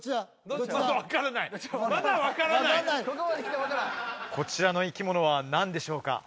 ここまで来ても分からんこちらの生き物は何でしょうか？